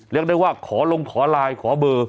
เรียกได้ว่าขอลงขอไลน์ขอเบอร์